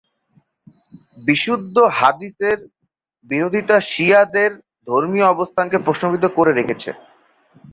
বিশুদ্ধ হাদিসের বিরোধীতা শিয়াদের ধর্মীয় অবস্থানকে প্রশ্নবিদ্ধ করে রেখেছে।